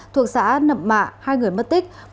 thuộc xã nậm mạ hai người mất tích